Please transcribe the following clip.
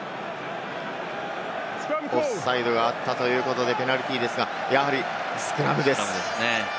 オフサイドがあったということでペナルティーですが、やはりスクラムです。